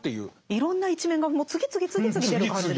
いろんな一面がもう次々次々出る感じでしたよね。